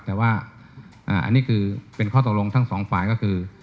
แต่ว่าอันนี้คือเป็นข้อตกลงทั้งสองฝ่ายก็คือ